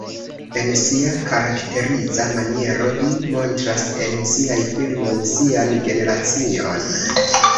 En sia karakteriza maniero li montras en siaj filmoj sian generacion.